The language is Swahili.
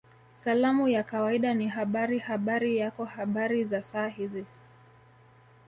Salamu ya kawaida ni Habari Habari yako Habari za saa hizi